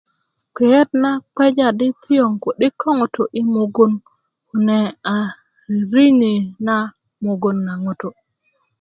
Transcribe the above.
kpiyet na kpeja di piyoŋ ku'dik ko ŋutu' yi mugun na a ririŋi na mugun na ŋutu'